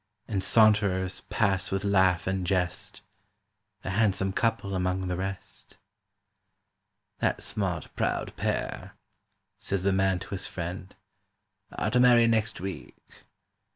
And saunterers pass with laugh and jest— A handsome couple among the rest. "That smart proud pair," says the man to his friend, "Are to marry next week .